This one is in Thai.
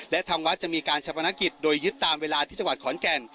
และทางวัดจะมีการชะพนักกิจโดยยึดตามเวลาที่จังหวัดขอนแก่น